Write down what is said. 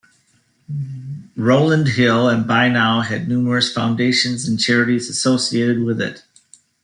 Rowland Hill and by now had numerous foundations and charities associated with it.